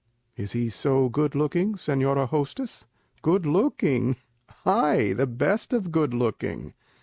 "Is he so good looking, señora hostess?" "Good looking? Ay, the best of good looking."